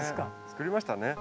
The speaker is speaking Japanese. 作りましたね。